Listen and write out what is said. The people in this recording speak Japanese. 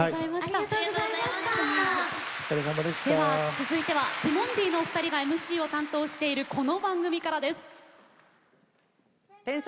続いてはティモンディのお二人がＭＣを担当しているこの番組からです。